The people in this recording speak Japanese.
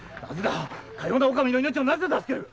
かような者の命をなぜ助ける？